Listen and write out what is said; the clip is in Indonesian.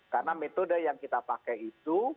karena metode yang kita pakai itu